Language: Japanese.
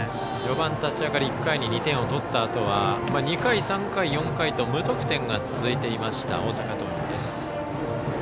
序盤、立ち上がりに１回に２点を取ったあと２回、３回、４回と無得点が続いていました大阪桐蔭。